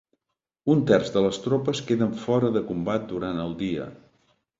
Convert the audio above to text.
Un terç de les tropes queden fora de combat durant el dia.